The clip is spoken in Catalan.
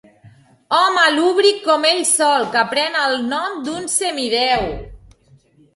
Home lúbric com ell sol, que pren el nom d'un semidéu.